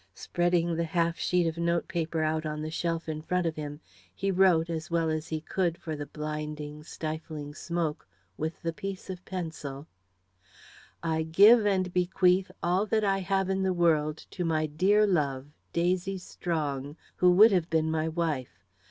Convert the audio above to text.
Spreading the half sheet of notepaper out on the shelf in front of him, he wrote, as well as he could for the blinding, stifling smoke, with the piece of pencil "I give and bequeath all that I have in the world to my dear love, Daisy Strong, who would have been my wife.